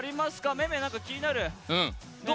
めめ何か気になる？